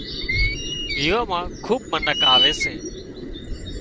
ويوان مان کُوٻ منک آوي سي